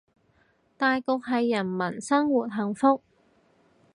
大局係人民生活幸福